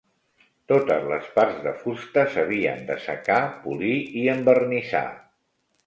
Totes les parts de fusta s'havien d'assecar, polir i envernissar.